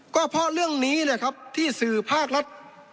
ก็เพราะเรื่องนี้แหละครับที่สื่อภาครัฐ